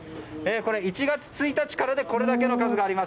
これは１月１日からでこれだけの数があります。